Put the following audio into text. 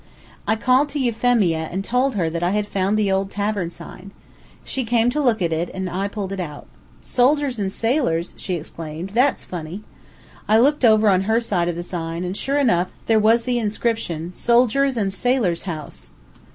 I called to Euphemia and told her that I had found the old tavern sign. She came to look at it, and I pulled it out. "Soldiers and sailors!" she exclaimed; "that's funny." I looked over on her side of the sign, and, sure enough, there was the inscription: "SOLDIERS AND SAILORS' HOUSE."